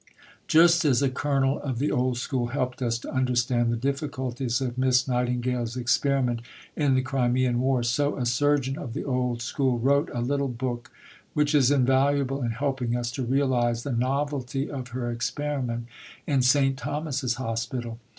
Just as a Colonel of the old school helped us to understand the difficulties of Miss Nightingale's experiment in the Crimean War, so a Surgeon of the old school wrote a little book which is invaluable in helping us to realize the novelty of her experiment in St. Thomas's Hospital.